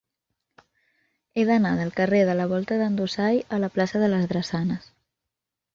He d'anar del carrer de la Volta d'en Dusai a la plaça de les Drassanes.